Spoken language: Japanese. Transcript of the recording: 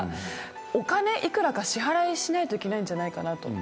お金幾らか支払いしないといけないんじゃないかなと。